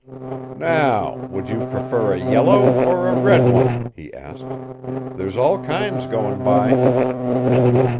"Now, would you prefer a yellow or a red one?" he asked. "There's all kinds going by."